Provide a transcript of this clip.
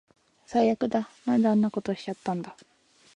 最悪だ。なんであんなことしちゃったんだ